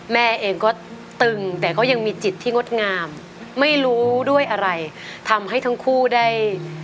แม่เองก็ตึงแต่ก็ยังมีจิตที่งดงามไม่รู้ด้วยอะไรทำให้ทั้งคู่ได้